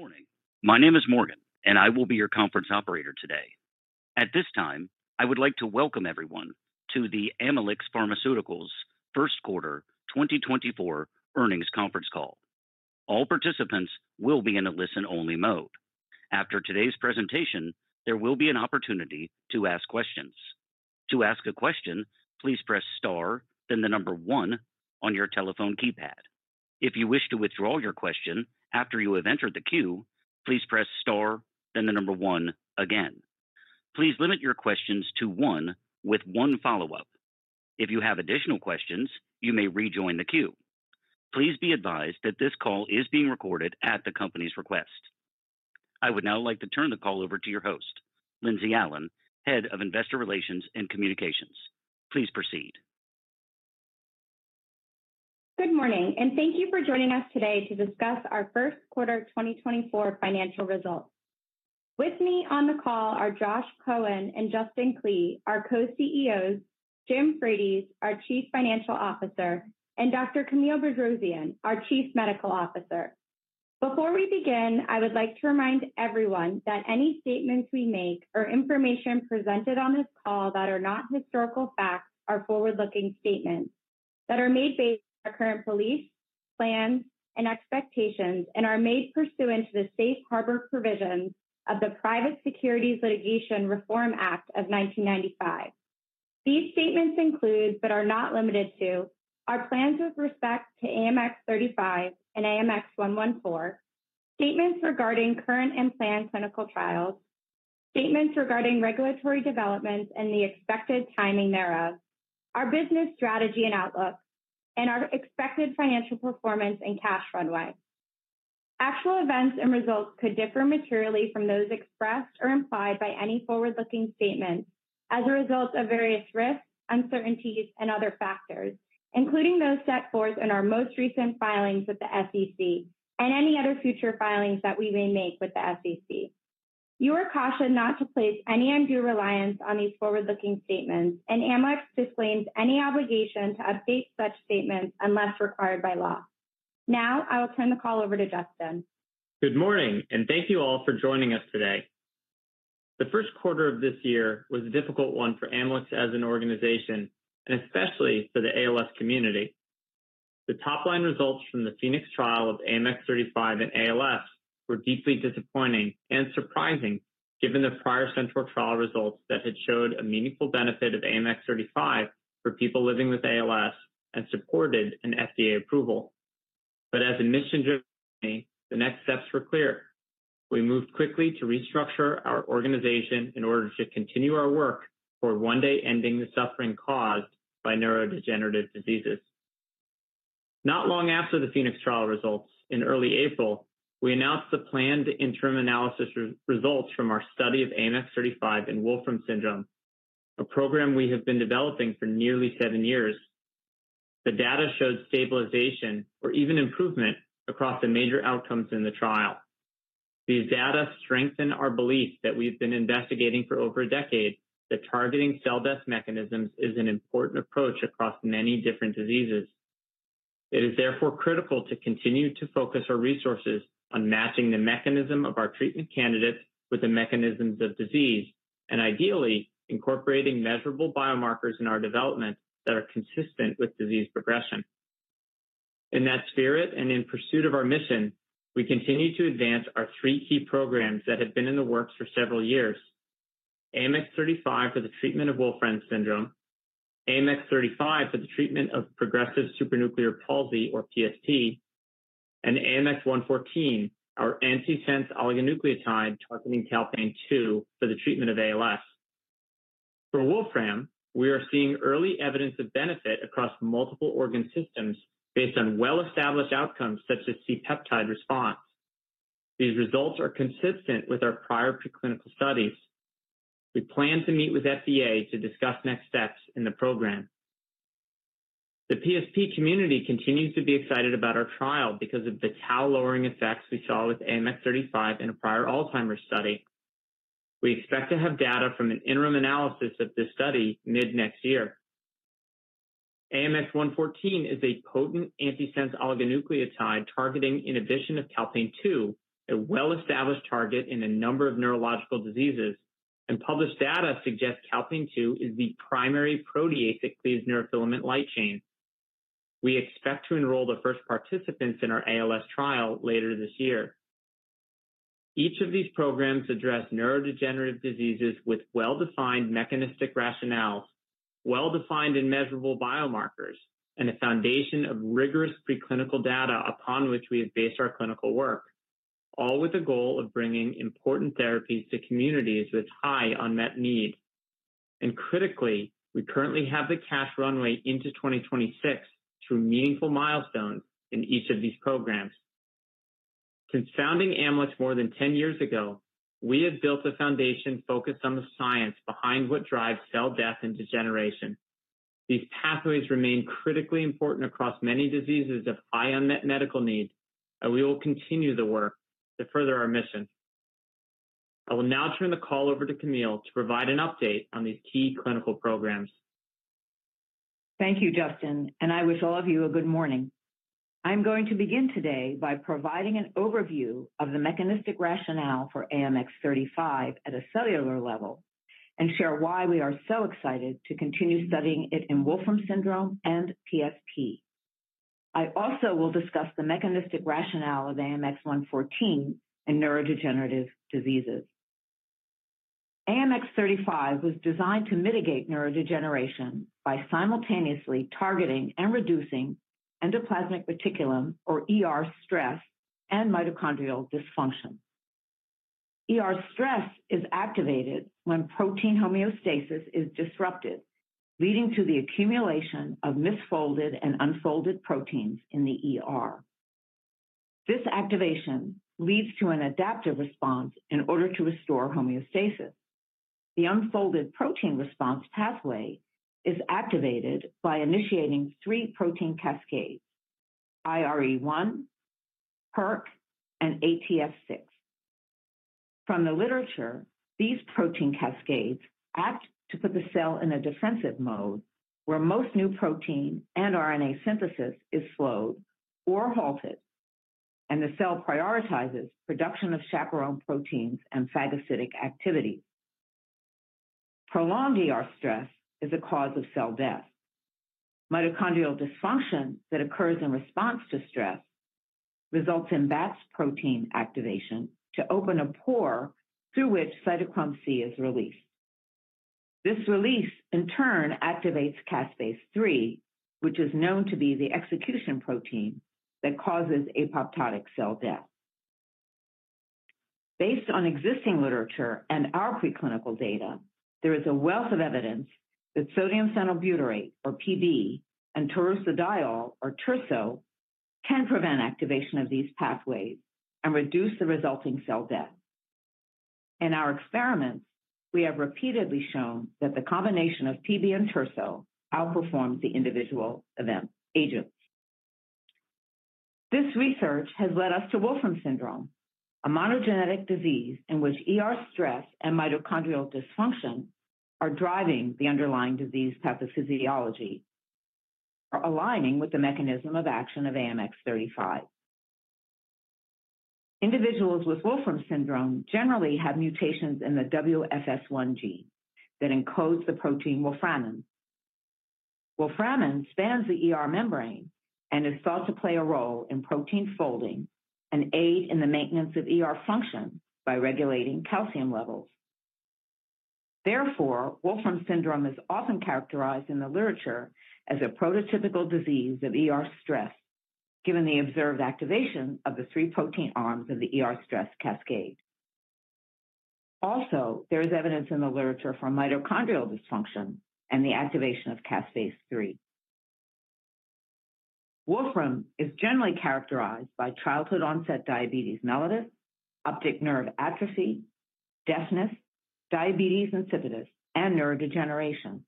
Good morning. My name is Morgan, and I will be your conference operator today. At this time, I would like to welcome everyone to the Amylyx Pharmaceuticals Q1 2024 Earnings Conference Call. All participants will be in a listen-only mode. After today's presentation, there will be an opportunity to ask questions. To ask a question, please press star, then the number one on your telephone keypad. If you wish to withdraw your question after you have entered the queue, please press star, then the number one again. Please limit your questions to one with one follow-up. If you have additional questions, you may rejoin the queue. Please be advised that this call is being recorded at the company's request. I would now like to turn the call over to your host, Lindsey Allen, Head of Investor Relations and Communications. Please proceed. Good morning, and thank you for joining us today to discuss our Q1 2024 financial results. With me on the call are Josh Cohen and Justin Klee, our co-CEOs; Jim Frates, our Chief Financial Officer; and Dr. Camille Bedrosian, our Chief Medical Officer. Before we begin, I would like to remind everyone that any statements we make or information presented on this call that are not historical facts are forward-looking statements that are made based on our current beliefs, plans, and expectations and are made pursuant to the safe harbor provisions of the Private Securities Litigation Reform Act of 1995. These statements include, but are not limited to, our plans with respect to AMX0035 and AMX0114, statements regarding current and planned clinical trials, statements regarding regulatory developments and the expected timing thereof, our business strategy and outlook, and our expected financial performance and cash runway. Actual events and results could differ materially from those expressed or implied by any forward-looking statements as a result of various risks, uncertainties, and other factors, including those set forth in our most recent filings with the SEC and any other future filings that we may make with the SEC. You are cautioned not to place any undue reliance on these forward-looking statements, and Amylyx disclaims any obligation to update such statements unless required by law. Now, I will turn the call over to Justin. Good morning, and thank you all for joining us today. The Q1 of this year was a difficult one for Amylyx as an organization and especially for the ALS community. The top-line results from the PHOENIX trial of AMX0035 in ALS were deeply disappointing and surprising, given the prior CENTAUR trial results that had showed a meaningful benefit of AMX0035 for people living with ALS and supported an FDA approval. But as a mission-driven company, the next steps were clear. We moved quickly to restructure our organization in order to continue our work for one day ending the suffering caused by neurodegenerative diseases. Not long after the PHOENIX trial results, in early April, we announced the planned interim analysis results from our study of AMX0035 in Wolfram syndrome, a program we have been developing for nearly seven years. The data showed stabilization or even improvement across the major outcomes in the trial. These data strengthen our belief that we've been investigating for over a decade that targeting cell death mechanisms is an important approach across many different diseases. It is therefore critical to continue to focus our resources on matching the mechanism of our treatment candidates with the mechanisms of disease and ideally incorporating measurable biomarkers in our development that are consistent with disease progression. In that spirit and in pursuit of our mission, we continue to advance our three key programs that have been in the works for several years: AMX0035 for the treatment of Wolfram syndrome, AMX0035 for the treatment of progressive supranuclear palsy or PSP, and AMX0114, our antisense oligonucleotide targeting calpain-2 for the treatment of ALS. For Wolfram, we are seeing early evidence of benefit across multiple organ systems based on well-established outcomes such as C-peptide response. These results are consistent with our prior preclinical studies. We plan to meet with FDA to discuss next steps in the program. The PSP community continues to be excited about our trial because of the tau-lowering effects we saw with AMX0035 in a prior Alzheimer's study. We expect to have data from an interim analysis of this study mid-next year. AMX0114 is a potent antisense oligonucleotide targeting, in addition to calpain-2, a well-established target in a number of neurological diseases, and published data suggests calpain-2 is the primary protease that cleaves neurofilament light chain. We expect to enroll the first participants in our ALS trial later this year. Each of these programs address neurodegenerative diseases with well-defined mechanistic rationales, well-defined and measurable biomarkers, and a foundation of rigorous preclinical data upon which we have based our clinical work, all with the goal of bringing important therapies to communities with high unmet need. Critically, we currently have the cash runway into 2026 through meaningful milestones in each of these programs. Since founding Amylyx more than 10 years ago, we have built a foundation focused on the science behind what drives cell death and degeneration. These pathways remain critically important across many diseases of high unmet medical need, and we will continue the work to further our mission. I will now turn the call over to Camille to provide an update on these key clinical programs. ... Thank you, Justin, and I wish all of you a good morning. I'm going to begin today by providing an overview of the mechanistic rationale for AMX0035 at a cellular level, and share why we are so excited to continue studying it in Wolfram syndrome and PSP. I also will discuss the mechanistic rationale of AMX0114 in neurodegenerative diseases. AMX0035 was designed to mitigate neurodegeneration by simultaneously targeting and reducing endoplasmic reticulum, or ER stress, and mitochondrial dysfunction. ER stress is activated when protein homeostasis is disrupted, leading to the accumulation of misfolded and unfolded proteins in the ER. This activation leads to an adaptive response in order to restore homeostasis. The unfolded protein response pathway is activated by initiating three protein cascades: IRE1, PERK, and ATF6. From the literature, these protein cascades act to put the cell in a defensive mode, where most new protein and RNA synthesis is slowed or halted, and the cell prioritizes production of chaperone proteins and phagocytic activity. Prolonged ER stress is a cause of cell death. Mitochondrial dysfunction that occurs in response to stress results in Bax protein activation to open a pore through which cytochrome C is released. This release in turn activates caspase-3, which is known to be the execution protein that causes apoptotic cell death. Based on existing literature and our preclinical data, there is a wealth of evidence that sodium phenylbutyrate, or PB, and taurursodiol, or TURSO, can prevent activation of these pathways and reduce the resulting cell death. In our experiments, we have repeatedly shown that the combination of PB and TURSO outperforms the individual agents. This research has led us to Wolfram syndrome, a monogenic disease in which ER stress and mitochondrial dysfunction are driving the underlying disease pathophysiology, are aligning with the mechanism of action of AMX0035. Individuals with Wolfram syndrome generally have mutations in the WFS1 gene that encodes the protein Wolframin. Wolframin spans the ER membrane and is thought to play a role in protein folding and aid in the maintenance of ER function by regulating calcium levels. Therefore, Wolfram syndrome is often characterized in the literature as a prototypical disease of ER stress, given the observed activation of the three protein arms of the ER stress cascade. Also, there is evidence in the literature for mitochondrial dysfunction and the activation of caspase-3. Wolfram is generally characterized by childhood-onset diabetes mellitus, optic nerve atrophy, deafness, diabetes insipidus, and neurodegeneration,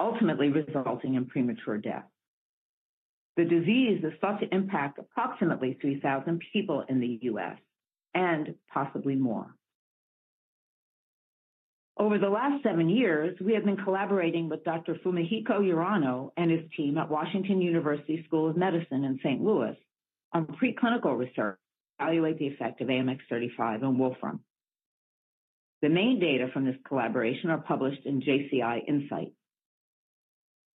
ultimately resulting in premature death. The disease is thought to impact approximately 3,000 people in the US, and possibly more. Over the last seven years, we have been collaborating with Dr. Fumihiko Urano and his team at Washington University School of Medicine in St. Louis on preclinical research to evaluate the effect of AMX0035 on Wolfram. The main data from this collaboration are published in JCI Insight.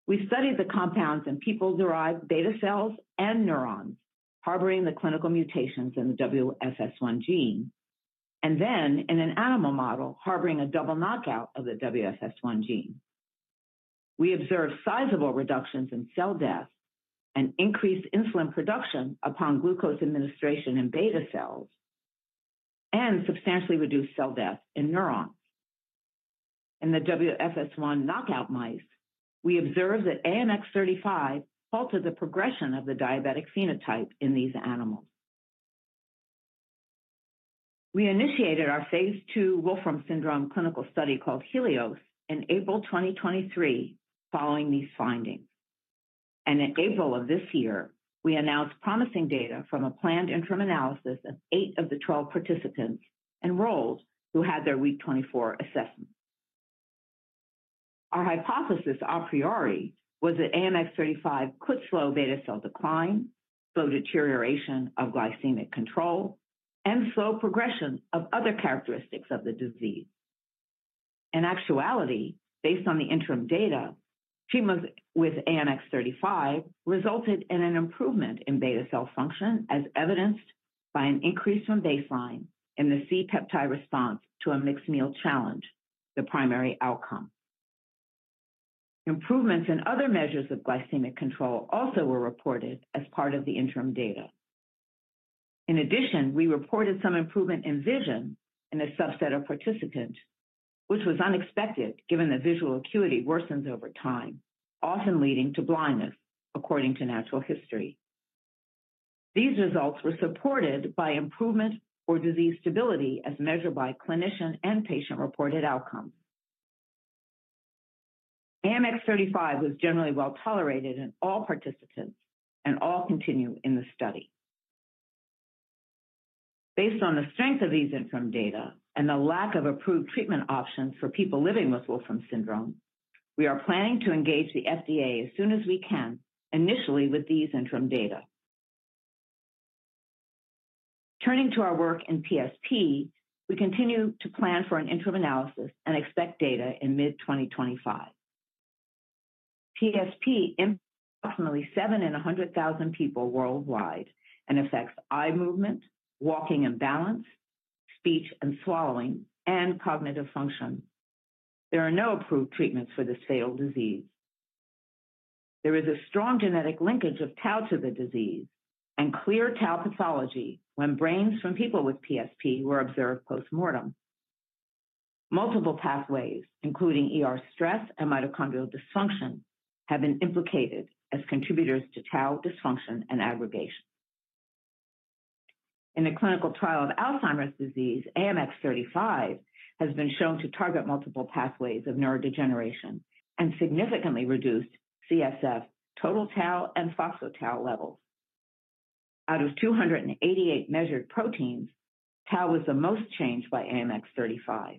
We studied the compounds in people-derived beta cells and neurons harboring the clinical mutations in the WFS1 gene, and then in an animal model harboring a double knockout of the WFS1 gene. We observed sizable reductions in cell death and increased insulin production upon glucose administration in beta cells, and substantially reduced cell death in neurons. In the WFS1 knockout mice, we observed that AMX0035 halted the progression of the diabetic phenotype in these animals. We initiated our phase II Wolfram syndrome clinical study called HELIOS in April 2023 following these findings. In April of this year, we announced promising data from a planned interim analysis of 8 of the 12 participants enrolled who had their week 24 assessment. Our hypothesis a priori was that AMX0035 could slow beta cell decline, slow deterioration of glycemic control, and slow progression of other characteristics of the disease. In actuality, based on the interim data, treatments with AMX0035 resulted in an improvement in beta cell function, as evidenced by an increase from baseline in the C-peptide response to a mixed meal challenge, the primary outcome. Improvements in other measures of glycemic control also were reported as part of the interim data. In addition, we reported some improvement in vision in a subset of participants, which was unexpected given that visual acuity worsens over time, often leading to blindness, according to natural history. These results were supported by improvement or disease stability as measured by clinician and patient-reported outcomes. AMX0035 was generally well-tolerated in all participants and all continue in the study. Based on the strength of these interim data and the lack of approved treatment options for people living with Wolfram syndrome, we are planning to engage the FDA as soon as we can, initially with these interim data. Turning to our work in PSP, we continue to plan for an interim analysis and expect data in mid-2025. PSP impacts approximately 7 in 100,000 people worldwide and affects eye movement, walking and balance, speech and swallowing, and cognitive function. There are no approved treatments for this fatal disease. There is a strong genetic linkage of tau to the disease and clear tau pathology when brains from people with PSP were observed postmortem. Multiple pathways, including ER stress and mitochondrial dysfunction, have been implicated as contributors to tau dysfunction and aggregation. In a clinical trial of Alzheimer's disease, AMX0035 has been shown to target multiple pathways of neurodegeneration and significantly reduced CSF, total tau, and phospho-tau levels. Out of 288 measured proteins, tau was the most changed by AMX0035.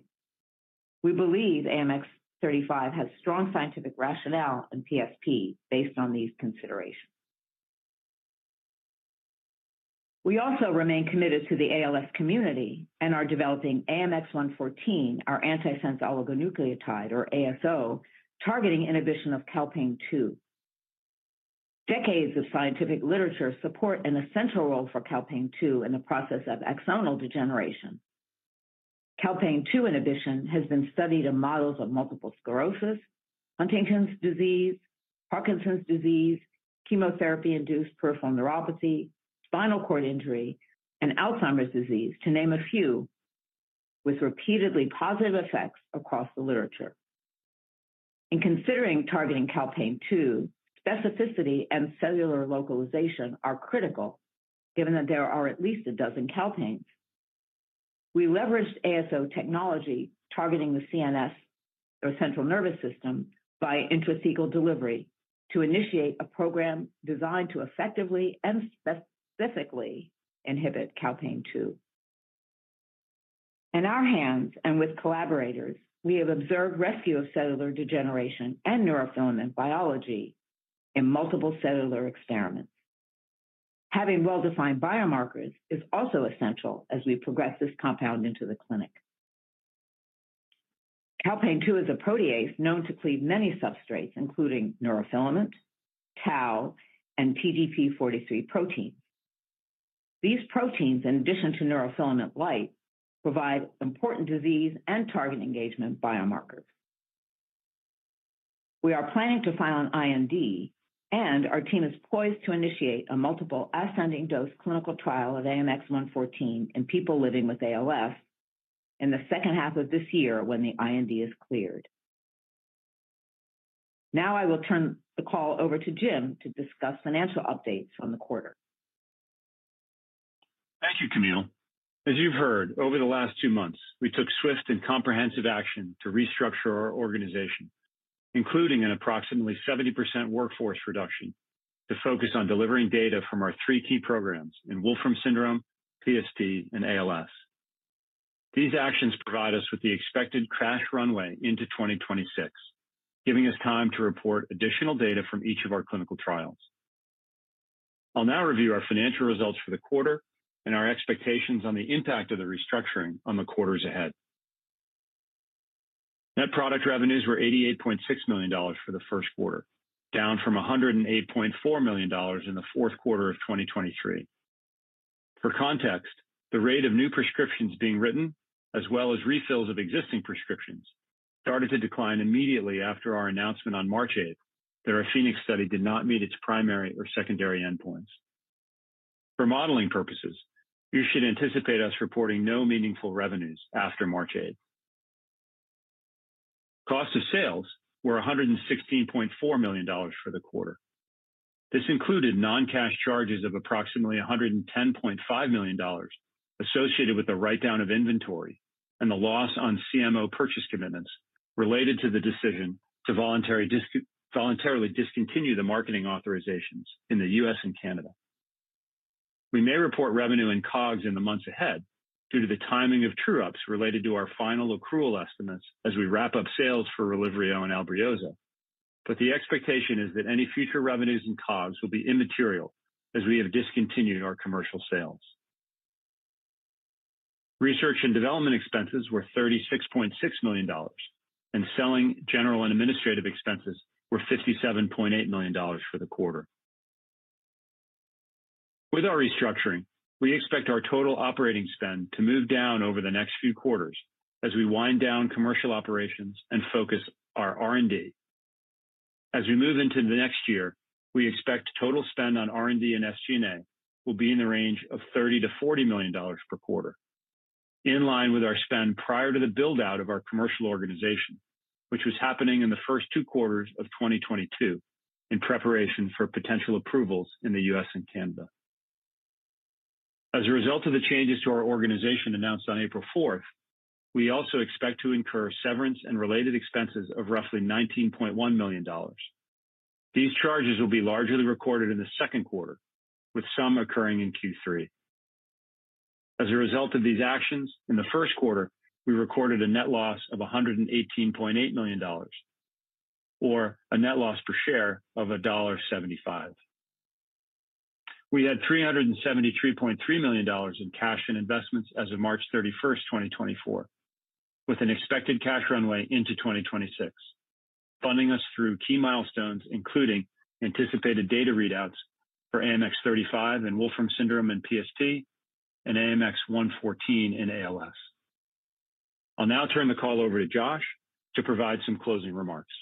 We believe AMX0035 has strong scientific rationale in PSP based on these considerations. We also remain committed to the ALS community and are developing AMX0114, our antisense oligonucleotide, or ASO, targeting inhibition of calpain-2. Decades of scientific literature support an essential role for calpain-2 in the process of axonal degeneration. Calpain-2 inhibition has been studied in models of multiple sclerosis, Huntington's disease, Parkinson's disease, chemotherapy-induced peripheral neuropathy, spinal cord injury, and Alzheimer's disease, to name a few, with repeatedly positive effects across the literature. In considering targeting calpain-2, specificity and cellular localization are critical, given that there are at least a dozen calpains. We leveraged ASO technology, targeting the CNS, or central nervous system, by intrathecal delivery to initiate a program designed to effectively and specifically inhibit calpain-2. In our hands, and with collaborators, we have observed rescue of cellular degeneration and neurofilament biology in multiple cellular experiments. Having well-defined biomarkers is also essential as we progress this compound into the clinic. Calpain-2 is a protease known to cleave many substrates, including neurofilament, tau, and TDP-43 proteins. These proteins, in addition to neurofilament light, provide important disease and target engagement biomarkers. We are planning to file an IND, and our team is poised to initiate a multiple ascending dose clinical trial of AMX0114 in people living with ALS in the second half of this year when the IND is cleared. Now, I will turn the call over to Jim to discuss financial updates on the quarter. Thank you, Camille. As you've heard, over the last two months, we took swift and comprehensive action to restructure our organization, including an approximately 70% workforce reduction, to focus on delivering data from our three key programs in Wolfram syndrome, PSP, and ALS. These actions provide us with the expected cash runway into 2026, giving us time to report additional data from each of our clinical trials. I'll now review our financial results for the quarter and our expectations on the impact of the restructuring on the quarters ahead. Net product revenues were $88.6 million for the Q1, down from $108.4 million in the Q4 of 2023. For context, the rate of new prescriptions being written, as well as refills of existing prescriptions, started to decline immediately after our announcement on March eighth that our PHOENIX study did not meet its primary or secondary endpoints. For modeling purposes, you should anticipate us reporting no meaningful revenues after March eighth. Cost of sales were $116.4 million for the quarter. This included non-cash charges of approximately $110.5 million, associated with the write-down of inventory and the loss on CMO purchase commitments related to the decision to voluntarily discontinue the marketing authorizations in the US and Canada. We may report revenue in COGS in the months ahead due to the timing of true-ups related to our final accrual estimates as we wrap up sales for RELIVRIO and ALBRIOZA. But the expectation is that any future revenues in COGS will be immaterial as we have discontinued our commercial sales. Research and development expenses were $36.6 million, and selling, general, and administrative expenses were $57.8 million for the quarter. With our restructuring, we expect our total operating spend to move down over the next few quarters as we wind down commercial operations and focus our R&D. As we move into the next year, we expect total spend on R&D and SG&A will be in the range of $30 to 40 million per quarter, in line with our spend prior to the build-out of our commercial organization, which was happening in the first two quarters of 2022 in preparation for potential approvals in the US and Canada. As a result of the changes to our organization announced on April 4, we also expect to incur severance and related expenses of roughly $19.1 million. These charges will be largely recorded in the Q2, with some occurring in Q3. As a result of these actions, in the Q1, we recorded a net loss of $118.8 million, or a net loss per share of $1.75. We had $373.3 million in cash and investments as of March 31, 2024, with an expected cash runway into 2026, funding us through key milestones, including anticipated data readouts for AMX0035 and Wolfram syndrome and PSP, and AMX0114 in ALS. I'll now turn the call over to Josh to provide some closing remarks.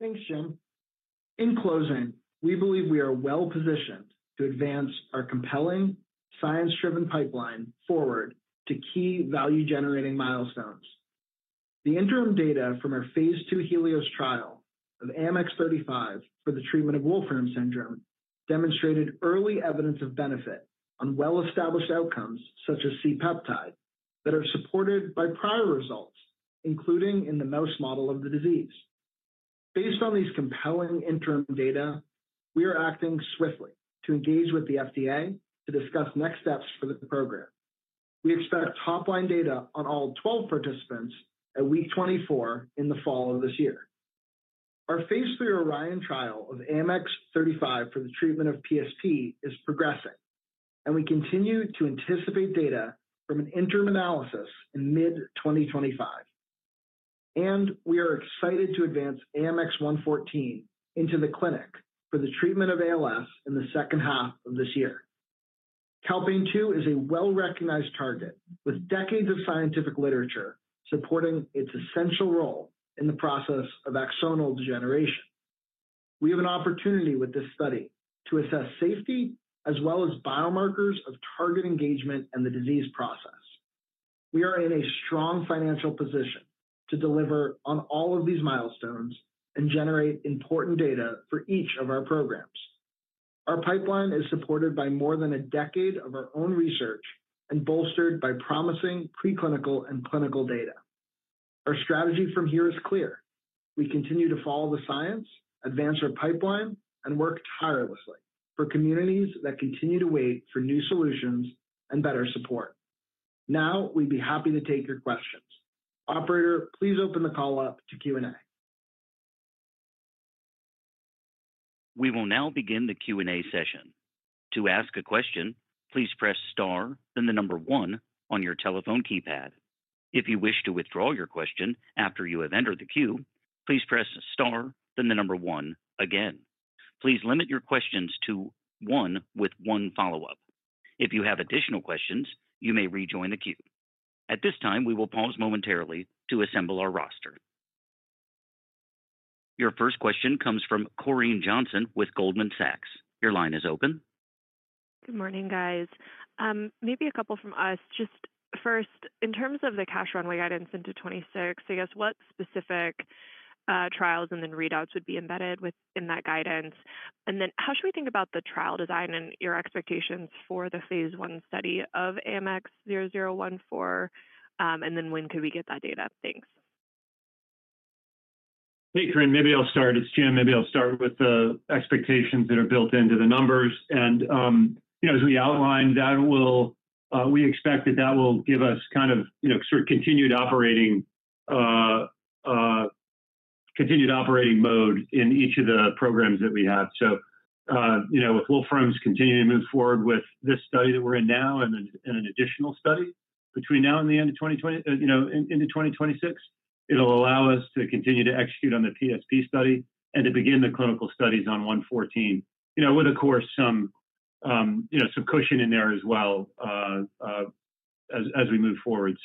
Thanks, Jim. In closing, we believe we are well-positioned to advance our compelling science-driven pipeline forward to key value-generating milestones. The interim data from our phase II HELIOS trial of AMX0035 for the treatment of Wolfram syndrome demonstrated early evidence of benefit on well-established outcomes, such as C-peptide, that are supported by prior results, including in the mouse model of the disease. Based on these compelling interim data, we are acting swiftly to engage with the FDA to discuss next steps for the program. We expect top-line data on all 12 participants at week 24 in the fall of this year. Our phase III ORION trial of AMX0035 for the treatment of PSP is progressing, and we continue to anticipate data from an interim analysis in mid-2025. We are excited to advance AMX0114 into the clinic for the treatment of ALS in the second half of this year. Calpain is a well-recognized target, with decades of scientific literature supporting its essential role in the process of axonal degeneration. We have an opportunity with this study to assess safety, as well as biomarkers of target engagement and the disease process. We are in a strong financial position to deliver on all of these milestones and generate important data for each of our programs. Our pipeline is supported by more than a decade of our own research and bolstered by promising preclinical and clinical data. Our strategy from here is clear: We continue to follow the science, advance our pipeline, and work tirelessly for communities that continue to wait for new solutions and better support. Now, we'd be happy to take your questions. Operator, please open the call up to Q&A. We will now begin the Q&A session. To ask a question, please press star, then 1 on your telephone keypad. If you wish to withdraw your question after you have entered the queue, please press star, then 1 again. Please limit your questions to one with one follow-up. If you have additional questions, you may rejoin the queue. At this time, we will pause momentarily to assemble our roster. Your first question comes from Corinne Johnson with Goldman Sachs. Your line is open. Good morning, guys. Maybe a couple from us. Just first, in terms of the cash runway guidance into 2026, I guess, what specific trials and then readouts would be embedded within that guidance? And then how should we think about the trial design and your expectations for the phase one study of AMX0114? And then when could we get that data? Thanks. Hey, Corinne. Maybe I'll start. It's Jim. Maybe I'll start with the expectations that are built into the numbers. And, you know, as we outlined, that will, we expect that that will give us kind of, you know, sort of continued operating mode in each of the programs that we have. So, you know, with Wolfram's continuing to move forward with this study that we're in now and then, and an additional study between now and the end of 2020... You know, into 2026, it'll allow us to continue to execute on the PSP study and to begin the clinical studies on AMX0114. You know, with, of course, some, you know, some cushion in there as well, as we move forward.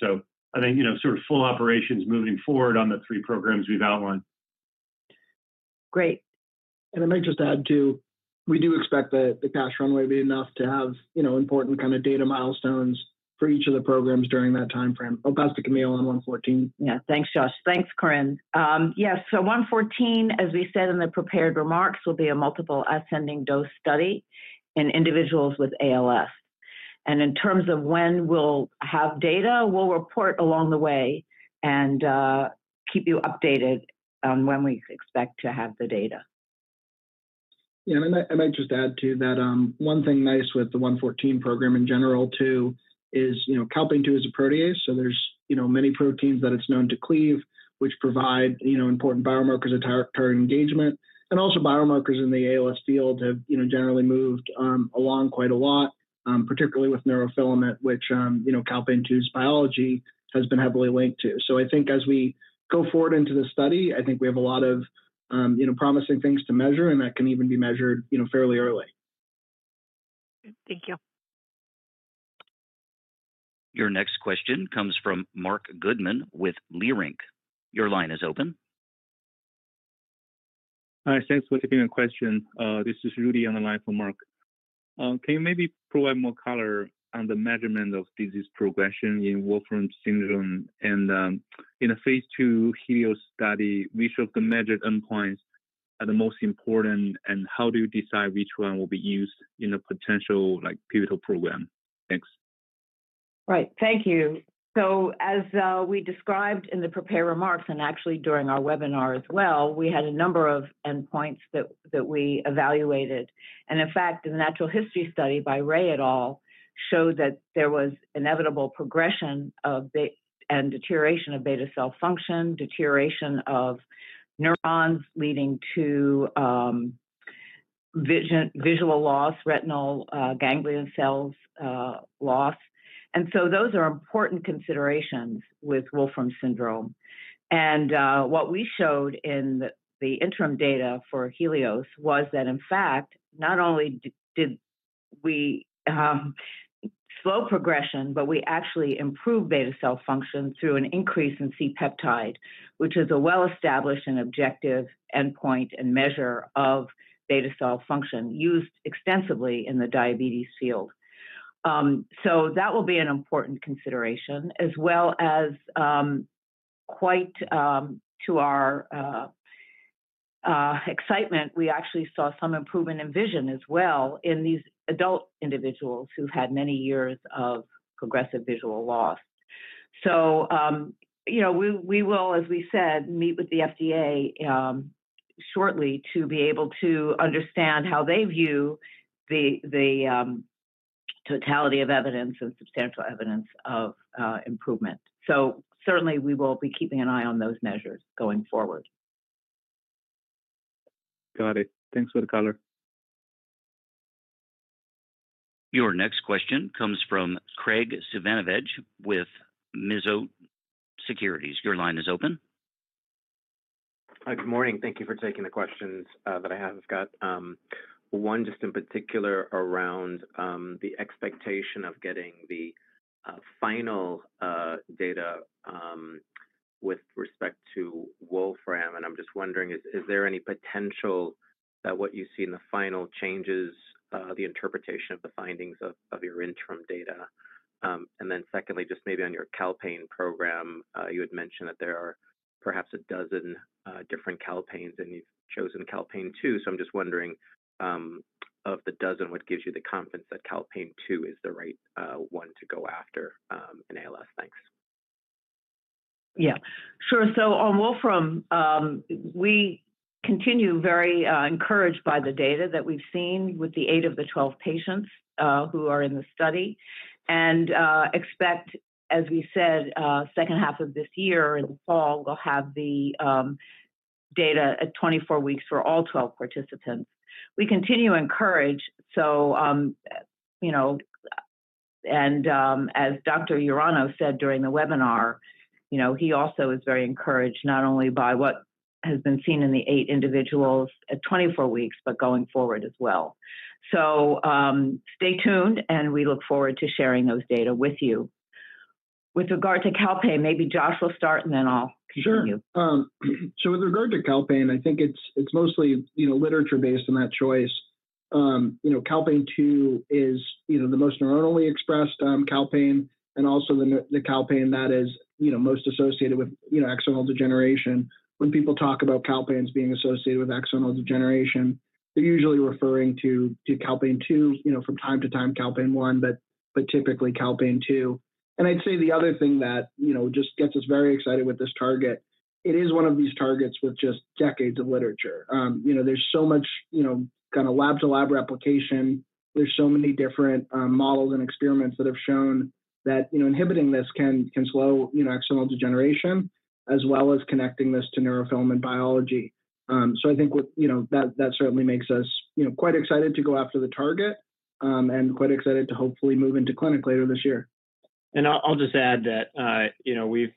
I think, you know, sort of full operations moving forward on the three programs we've outlined. Great. I might just add, too, we do expect that the cash runway be enough to have, you know, important kind of data milestones for each of the programs during that timeframe. I'll pass to Camille on AMX0114. Yeah. Thanks, Josh. Thanks, Corinne. Yes, so AMX0114, as we said in the prepared remarks, will be a multiple ascending dose study in individuals with ALS. In terms of when we'll have data, we'll report along the way and keep you updated on when we expect to have the data. Yeah, and I might just add, too, that one thing nice with the AMX0114 program in general, too, is, you know, calpain-2 is a protease, so there's, you know, many proteins that it's known to cleave, which provide, you know, important biomarkers of target engagement. And also biomarkers in the ALS field have, you know, generally moved along quite a lot, particularly with neurofilament, which, you know, calpain-2's biology has been heavily linked to. So I think as we go forward into the study, I think we have a lot of, you know, promising things to measure, and that can even be measured, you know, fairly early. Thank you. Your next question comes from Marc Goodman with Leerink Partners. Your line is open. Hi, thanks for taking the question. This is Rudy on the line for Marc. Can you maybe provide more color on the measurement of disease progression in Wolfram syndrome? And in a phase II HELIOS study, which of the measured endpoints are the most important, and how do you decide which one will be used in a potential, like, pivotal program? Thanks. Right. Thank you. So as we described in the prepared remarks, and actually during our webinar as well, we had a number of endpoints that we evaluated. And in fact, the natural history study by Ray et al. showed that there was inevitable progression of beta and deterioration of beta cell function, deterioration of neurons leading to vision, visual loss, retinal ganglion cells loss. And so those are important considerations with Wolfram syndrome. And what we showed in the interim data for HELIOS was that, in fact, not only did we slow progression, but we actually improved beta cell function through an increase in C-peptide, which is a well-established and objective endpoint and measure of beta cell function used extensively in the diabetes field. So that will be an important consideration, as well as quite to our excitement, we actually saw some improvement in vision as well in these adult individuals who've had many years of progressive visual loss. So, you know, we will, as we said, meet with the FDA shortly to be able to understand how they view the totality of evidence and substantial evidence of improvement. So certainly we will be keeping an eye on those measures going forward. Got it. Thanks for the color. Your next question comes from Graig Suvannavejh with Mizuho Securities. Your line is open. Hi, good morning. Thank you for taking the questions. But I have got one just in particular around the expectation of getting the final data with respect to Wolfram, and I'm just wondering, is there any potential that what you see in the final changes the interpretation of the findings of your interim data? And then secondly, just maybe on your calpain program, you had mentioned that there are perhaps a dozen different calpains, and you've chosen calpain-2. So I'm just wondering, of the dozen, what gives you the confidence that calpain-2 is the right one to go after in ALS? Thanks. Yeah, sure. So on Wolfram, we continue very encouraged by the data that we've seen with the eight of the 12 patients who are in the study, and expect, as we said, second half of this year, in the fall, we'll have the data at 24 weeks for all 12 participants. We continue encouraged, so you know, and as Dr. Urano said during the webinar, you know, he also is very encouraged, not only by what has been seen in the eight individuals at 24 weeks, but going forward as well. So, stay tuned, and we look forward to sharing those data with you. With regard to calpain, maybe Josh will start, and then I'll continue. Sure. So with regard to calpain, I think it's, it's mostly, you know, literature based on that choice. You know, calpain-2 is, you know, the most neuronally expressed, calpain, and also the calpain that is, you know, most associated with, you know, axonal degeneration. When people talk about calpains being associated with axonal degeneration, they're usually referring to calpain-2, you know, from time to time, calpain-1, but typically calpain-2. And I'd say the other thing that, you know, just gets us very excited with this target, it is one of these targets with just decades of literature. You know, there's so much, you know, kind of lab-to-lab replication. There's so many different models and experiments that have shown that, you know, inhibiting this can slow, you know, axonal degeneration, as well as connecting this to neurofilament biology. So I think, you know, that certainly makes us, you know, quite excited to go after the target, and quite excited to hopefully move into clinic later this year. I'll just add that, you know, we've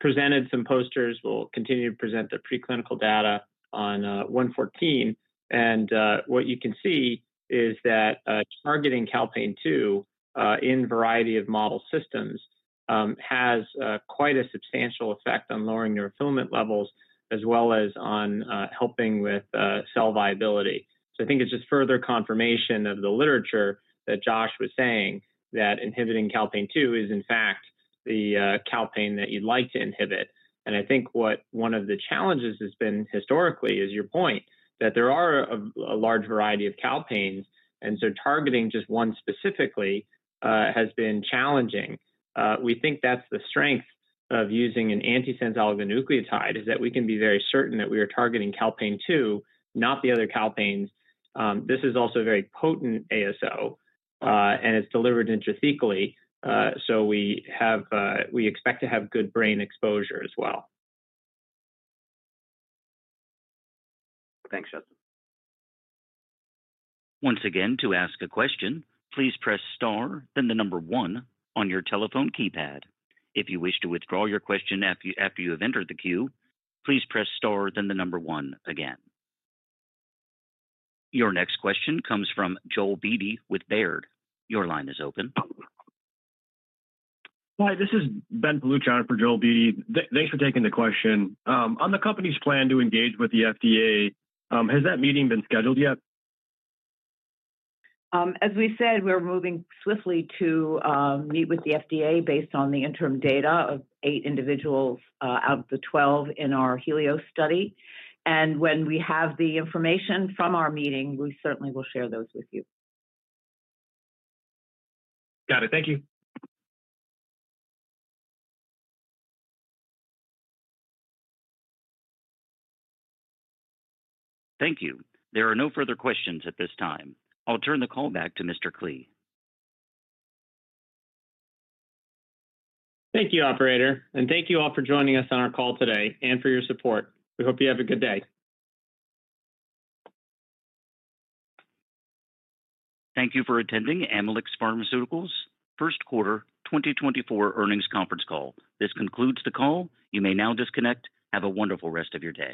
presented some posters. We'll continue to present the preclinical data on 114. And what you can see is that targeting calpain-2 in a variety of model systems has quite a substantial effect on lowering neurofilament levels, as well as on helping with cell viability. So I think it's just further confirmation of the literature that Josh was saying, that inhibiting calpain-2 is, in fact, the calpain that you'd like to inhibit. And I think what one of the challenges has been historically is your point, that there are a large variety of calpains, and so targeting just one specifically has been challenging. We think that's the strength of using an antisense oligonucleotide, is that we can be very certain that we are targeting calpain-2, not the other calpains. This is also a very potent ASO, and it's delivered intrathecally, so we have, we expect to have good brain exposure as well. Thanks, Justin. Once again, to ask a question, please press star, then the number one on your telephone keypad. If you wish to withdraw your question after you have entered the queue, please press star, then the number one again. Your next question comes from Joel Beatty with Baird. Your line is open. Hi, this is Ben Paluch for Joel Beatty. Thanks for taking the question. On the company's plan to engage with the FDA, has that meeting been scheduled yet? As we said, we're moving swiftly to meet with the FDA based on the interim data of eight individuals out of the 12 in our HELIOS study. When we have the information from our meeting, we certainly will share those with you. Got it. Thank you! Thank you. There are no further questions at this time. I'll turn the call back to Mr. Klee. Thank you, operator, and thank you all for joining us on our call today and for your support. We hope you have a good day. Thank you for attending Amylyx Pharmaceuticals' Q1 2024 earnings conference call. This concludes the call. You may now disconnect. Have a wonderful rest of your day.